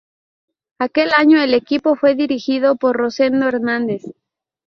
Aquel año el equipo fue dirigido por Rosendo Hernández.